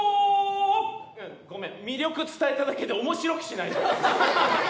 ごめん魅力伝えただけで面白くしないと。